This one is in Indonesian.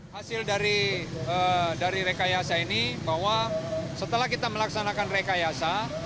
hasil dari rekayasa ini bahwa setelah kita melaksanakan rekayasa